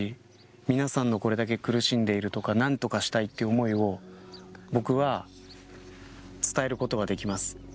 皆さんがこれだけ苦しんでいることとか、何とかしたいという思いも僕は伝えることができます。